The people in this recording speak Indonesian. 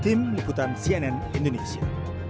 tim liputan cnn indonesia